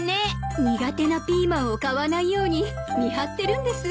苦手なピーマンを買わないように見張ってるんです。